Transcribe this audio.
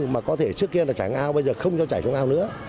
mà có thể trước kia là chảy trong ao bây giờ không cho chảy trong ao nữa